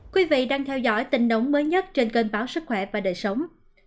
các bạn đang theo dõi tình nóng mới nhất trên kênh báo sức khỏe và đời sống